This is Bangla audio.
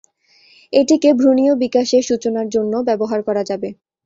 এটিকে ভ্রূণীয় বিকাশ এর সূচনার জন্যেও ব্যবহার করা যাবে।